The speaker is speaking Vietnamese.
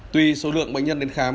tuy số lượng bệnh nhân đến khám